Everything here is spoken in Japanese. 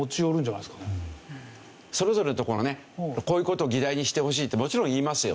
それぞれのとこがねこういう事を議題にしてほしいってもちろん言いますよね。